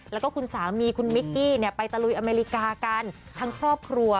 แล้วก็คุณสามีคุณมิกกี้ไปตะลุยอเมริกากันทั้งครอบครัว